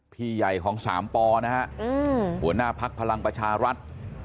พี่ใหญ่ของสามปนะฮะหัวหน้าภักดิ์พลังประชารัฐ